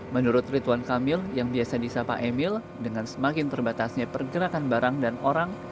menurut ridwan kamil yang biasa disapa emil dengan semakin terbatasnya pergerakan barang dan orang